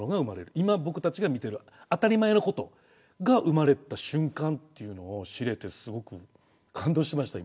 今僕たちが見てる当たり前のことが生まれた瞬間っていうのを知れてすごく感動しました今。